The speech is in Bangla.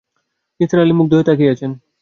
নিসার আলি মুগ্ধ হয়ে তাকিয়ে আছেন।